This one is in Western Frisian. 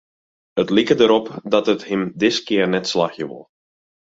It liket derop dat it him diskear net slagje wol.